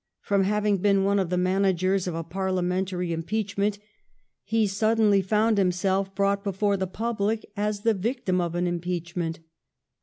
From having been one of the managers of a parliamentary impeachment he suddenly found himself brought before the public as the victim of an impeachment.